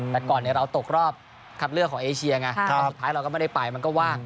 แต่ก่อนเราตกรอบคัดเลือกของเอเชียไงแต่สุดท้ายเราก็ไม่ได้ไปมันก็ว่าง